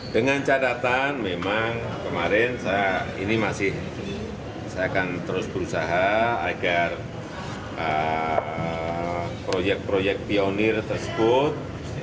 dengan catatan memang kemarin saya ini masih saya akan terus berusaha agar proyek proyek pionir tersebut